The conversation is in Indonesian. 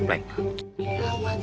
sudah deket mak